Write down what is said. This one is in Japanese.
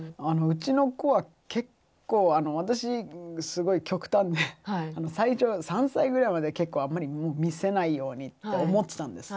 うちの子は結構私すごい極端で最初３歳ぐらいまでは結構あんまり見せないようにって思ってたんです。